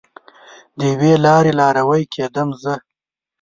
د یوې لارې لاروی کیدم زه